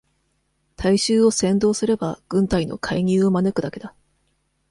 大衆を扇動すれば、軍隊の介入を招くだけだ。